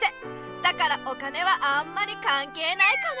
だからお金はあんまりかんけいないかな。